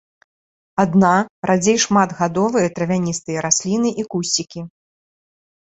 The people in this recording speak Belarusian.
Адна-, радзей шматгадовыя травяністыя расліны і кусцікі.